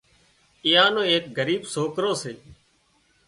ايئا نو ايڪ ڳريٻ سوڪرو سي